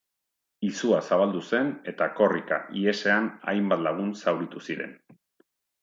Izua zabaldu zen eta korrika, ihesean, hainbat lagun zauritu ziren.